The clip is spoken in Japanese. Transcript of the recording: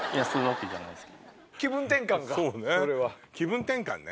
気分転換か。